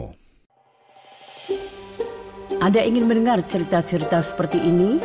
anda ingin mendengar cerita cerita seperti ini